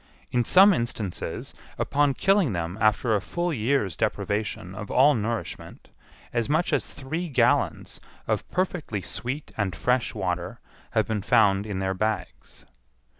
In some instances, upon killing them after a full year's deprivation of all nourishment, as much as three gallons of perfectly sweet and fresh water have been found in their bags.